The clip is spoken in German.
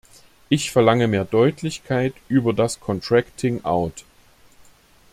Ich verlange mehr Deutlichkeit über das contracting out .